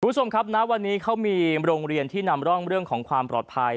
คุณผู้ชมครับณวันนี้เขามีโรงเรียนที่นำร่องเรื่องของความปลอดภัย